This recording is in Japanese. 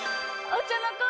お茶の子